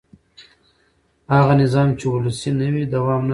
هغه نظام چې ولسي نه وي دوام نه لري